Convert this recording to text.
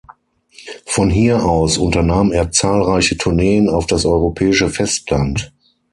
Von hier aus unternahm er zahlreiche Tourneen auf das europäische Festland.